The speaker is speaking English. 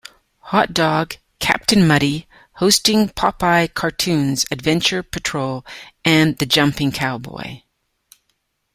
Hot Dog", "Captain Muddy" hosting "Popeye" cartoons, "Adventure Patrol" and the "Jumping Cowboy".